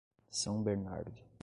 São Bernardo